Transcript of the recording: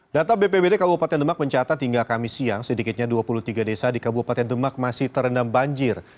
data bpbd kabupaten demak mencatat hingga kami siang sedikitnya dua puluh tiga desa di kabupaten demak masih terendam banjir